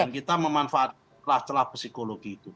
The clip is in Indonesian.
dan kita memanfaatkan celah celah psikologi itu